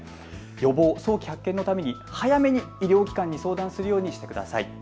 予防、早期発見のために早めに医療機関に相談するようにしてください。